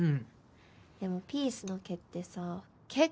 でもピースの毛ってさ結構難しくって。